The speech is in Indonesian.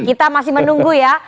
kita masih menunggu ya